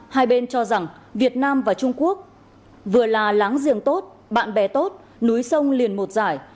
hai bên cho rằng việt nam và trung quốc vừa là láng giềng tốt bạn bè tốt núi sông liền một giải